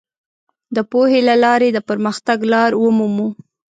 د پوهې له لارې د پرمختګ لار ومومو.